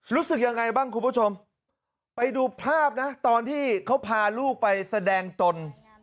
รู้สึกยังไงบ้างคุณผู้ชมไปดูภาพนะตอนที่เขาพาลูกไปแสดงตน